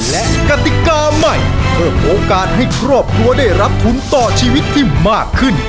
และกติกาใหม่เพิ่มโอกาสให้ครอบครัวได้รับทุนต่อชีวิตที่มากขึ้น